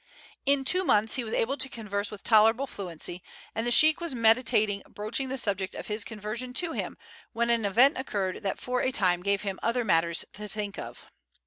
In two months he was able to converse with tolerable fluency, and the sheik was meditating broaching the subject of his conversion to him when an event occurred that for a time gave him other matters to think of.